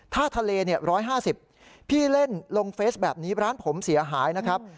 ถ้าทะเล๑๕๐พี่เล่นลงเฟซแบบนี้ร้านผมเสียหายนะครับ